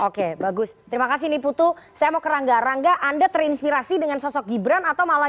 oke bagus terima kasih niputu saya mau ke rangga rangga anda terinspirasi dengan sosok gibran atau malah